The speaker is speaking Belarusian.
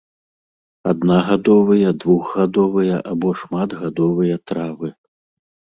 Аднагадовыя, двухгадовыя або шматгадовыя травы.